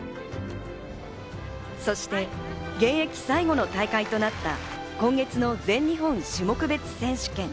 そして現役最後の大会となった今月の全日本種目別選手権。